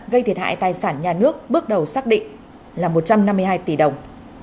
gây thiệt hại tài sản nhà nước bước đầu xác định là một trăm năm mươi hai tỷ đồng